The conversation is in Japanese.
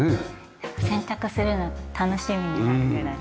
洗濯するの楽しみになるぐらい。